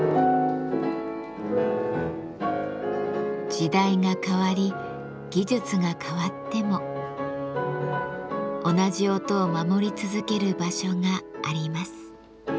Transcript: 時代が変わり技術が変わっても同じ音を守り続ける場所があります。